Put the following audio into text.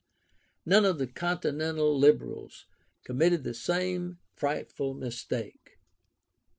None of the Continental Liberals committed the same frightful mistake.